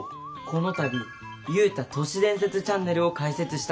この度ユウタ都市伝説チャンネルを開設したんです。